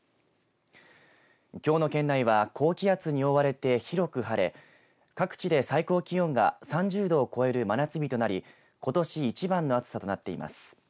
きょうの県内は高気圧に覆われて広く晴れ各地で最高気温が３０度を超える真夏日となりことし一番の暑さとなっています。